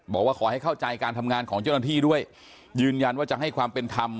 บอกว่าขอให้เข้าใจการทำงานของเจ้าหน้าที่ด้วยยืนยันว่าจะให้ความเป็นธรรม